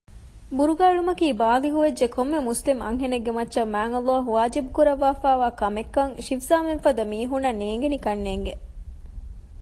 ބުރުގާ އެޅުމަކީ ބާލިޣުވެއްޖެ ކޮންމެ މުސްލިމް އަންހެނެއްގެ މައްޗަށް މާތްﷲ ވާޖިބު ކުރައްވާފައިވާ ކަމެއްކަން ޝިފްޒާމެންފަދަ މީހުންނަށް ނޭނގެނީކަންނޭނގެ